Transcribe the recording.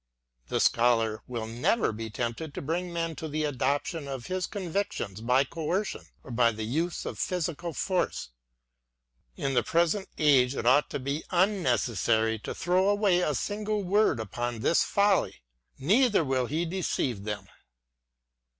The Scholar will never be tempted to bring* men to the adoption of his convictions by coercion or the use of physical force :— in the present age it ought to be unnecessary to throw away a single word upon this folly: — neither will he deceive them.